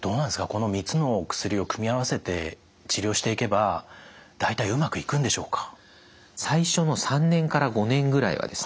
この３つの薬を組み合わせて治療していけば大体うまくいくんでしょうか？